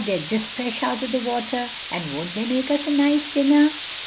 they're just fresh out of the water, and won't they make us a nice dinner?"